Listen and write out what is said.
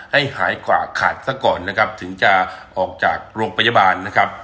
ให้หายกว่าขาดซะก่อนนะครับถึงจะออกจากโรงพยาบาลนะครับ